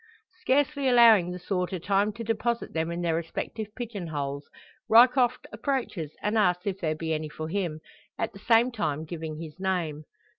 Scarcely allowing the sorter time to deposit them in their respective pigeon boles, Ryecroft approaches and asks if there be any for him at the same time giving his name.